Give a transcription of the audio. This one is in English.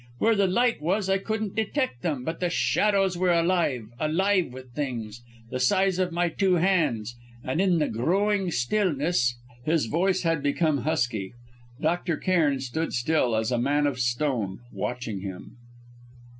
Where the light was I couldn't detect them, but the shadows were alive, alive with things the size of my two hands; and in the growing stillness " His voice had become husky. Dr. Cairn stood still, as a man of stone, watching him.